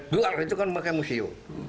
dua itu kan pakai musiu